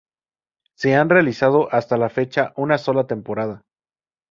Se han realizado hasta la fecha una sola temporada.